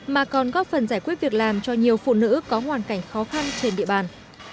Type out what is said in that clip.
mà còn góp phần giải quyết việc làm cho nhiều phụ nữ có hoàn cảnh khó khăn trên địa bàn